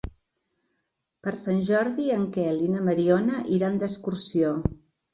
Per Sant Jordi en Quel i na Mariona iran d'excursió.